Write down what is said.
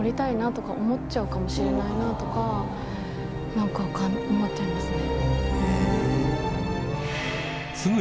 何か思っちゃいますね。